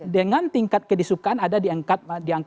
dengan tingkat kedisukan ada diangkat